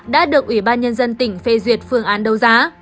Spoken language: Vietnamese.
đã được ủy ban nhân dân tỉnh phê duyệt phương án đấu giá